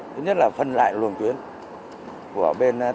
thứ nhất là phân lại luồng chuyến của bên taxi